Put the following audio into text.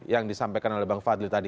yang disampaikan oleh bang fadli tadi